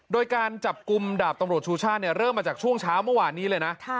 โดยการจับกลุ่มดาบตำรวจชูชาติเริ่มมาจากช่วงเช้าเมื่อวานนี้เลยนะ